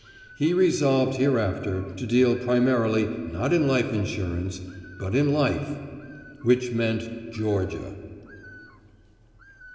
He resolved hereafter to deal primarily not in life insurance, but in life, which meant Georgia.